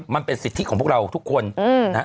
มันเป็นสิทธิของพวกเราทุกคนนะครับ